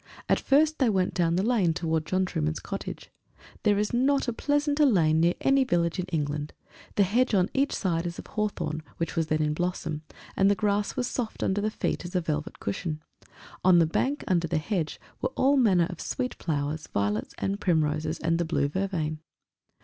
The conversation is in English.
And first they went down the lane towards John Trueman's cottage. There is not a pleasanter lane near any village in England; the hedge on each side is of hawthorn, which was then in blossom, and the grass was soft under the feet as a velvet cushion; on the bank, under the hedge, were all manner of sweet flowers, violets, and primroses, and the blue vervain.